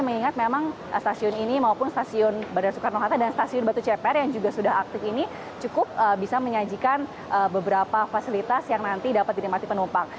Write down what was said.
mengingat memang stasiun ini maupun stasiun bandara soekarno hatta dan stasiun batu ceper yang juga sudah aktif ini cukup bisa menyajikan beberapa fasilitas yang nanti dapat dinikmati penumpang